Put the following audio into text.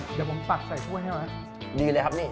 เดี๋ยวผมตักใส่ถ้วยให้ไว้ดีเลยครับนี่